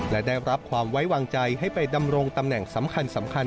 และได้รับความไว้วางใจให้ไปดำรงตำแหน่งสำคัญ